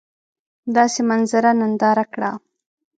داسي منظره ننداره کړه !